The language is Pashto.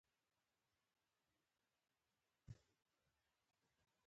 نیوروسرجري ډیره سخته ده!